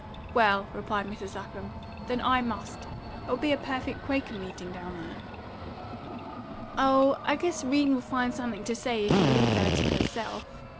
"Well," replied Mrs. Lapham, "then I must. There'll be a perfect Quaker meeting down there." "Oh, I guess 'Rene will find something to say if you leave her to herself.